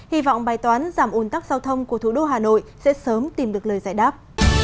hy vọng bài toán giảm ồn tắc giao thông của thủ đô hà nội sẽ sớm tìm được lời giải đáp